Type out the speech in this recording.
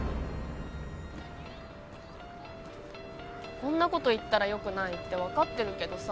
こんな事言ったらよくないってわかってるけどさ。